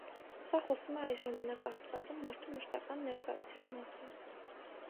Սա խոսում է այս ժամանակահատվածում մարդու մշտական ներկայության մասին։